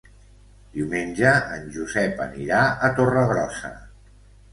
Diumenge en Josep anirà a Torregrossa.